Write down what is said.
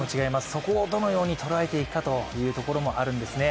そこをどのように捉えていくかというところもあるんですね。